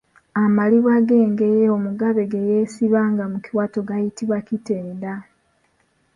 Amaliba g’engeye omugabe ge yeesibanga mu kiwato gayitibwa kitenda.